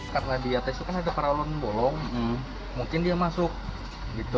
karena di atas itu kan ada peralon bolong mungkin dia masuk gitu